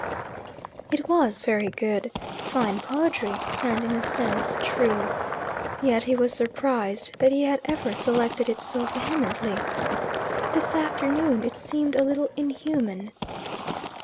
It was "very good" fine poetry, and, in a sense, true. Yet he was surprised that he had ever selected it so vehemently. This afternoon it seemed a little inhuman.